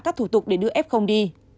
các thủ tục để đưa f đi